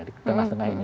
di tengah tengah ini